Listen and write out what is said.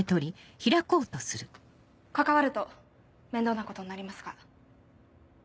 関わると面倒なことになりますが。